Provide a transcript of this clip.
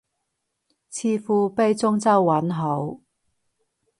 詞庫畀中州韻好